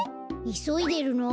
いそいでるの？